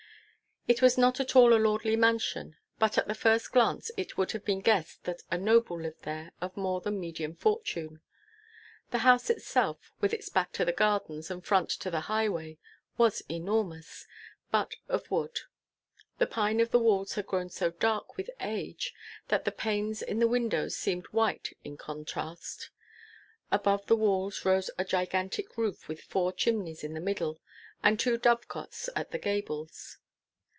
It was not at all a lordly mansion, but at the first glance it would have been guessed that a noble lived there of more than medium fortune. The house itself, with its back to the gardens and front to the highway, was enormous, but of wood. The pine of the walls had grown so dark with age that the panes in the windows seemed white in contrast. Above the walls rose a gigantic roof with four chimneys in the middle, and two dovecotes at the gables.